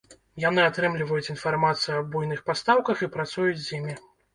Яны атрымліваюць інфармацыю аб буйных пастаўках і працуюць з імі.